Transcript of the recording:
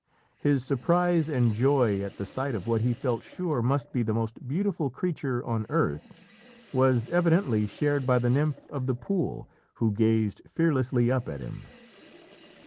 His surprise and joy at the sight of what he felt sure must be the most beautiful creature on earth, was evidently shared by the nymph of the pool, who gazed fearlessly up at him.